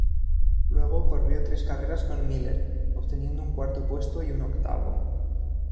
Luego corrió tres carreras con Miller, obteniendo un cuarto puesto y un octavo.